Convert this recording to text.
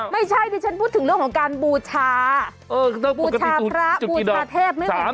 ไม่ใช่ดิฉันพูดถึงเรื่องของการบูชาบูชาพระบูชาเทพไม่เหมือนกัน